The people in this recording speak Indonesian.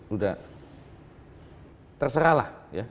udah terserah lah ya